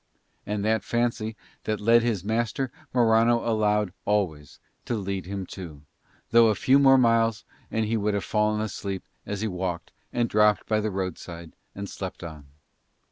And that fancy that led his master Morano allowed always to lead him too, though a few more miles and he would have fallen asleep as he walked and dropped by the roadside and slept on.